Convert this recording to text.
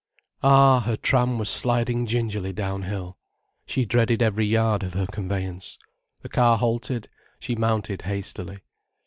Ah, her tram was sliding gingerly downhill. She dreaded every yard of her conveyance. The car halted, she mounted hastily.